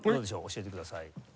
教えてください。